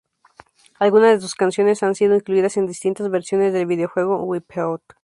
Algunas de sus canciones han sido incluidas en distintas versiones del videojuego "Wipeout".